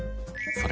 それ。